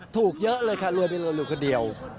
ถูกเยอะเลยค่ะรวยไปรวยคนเดียว